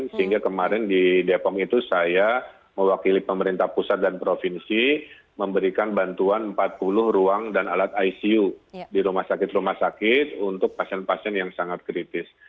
sehingga kemarin di depok itu saya mewakili pemerintah pusat dan provinsi memberikan bantuan empat puluh ruang dan alat icu di rumah sakit rumah sakit untuk pasien pasien yang sangat kritis